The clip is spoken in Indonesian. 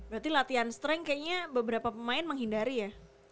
berarti latihan strength kayaknya beberapa pemain menghindari ya